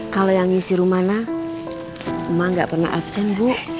kalau yang ngisi rumana emak gak pernah absen bu